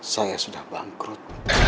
saya sudah bangkrut